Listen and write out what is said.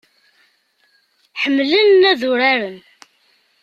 Ḥemmlen ad uraren.